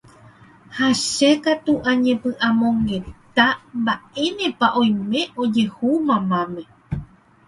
ha che katu añepy'amongeta mba'énepa oime ojehu mamáme